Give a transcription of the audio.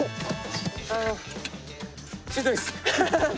しんどいっす。